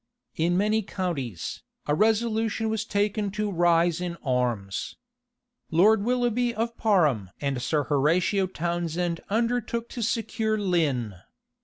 In many counties, a resolution was taken to rise in arms. Lord Willoughby of Parham and Sir Horatio Townshend undertook to secure Lynne.